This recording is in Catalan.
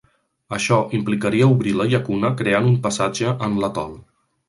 Això implicaria obrir la llacuna creant un passatge en l'atol.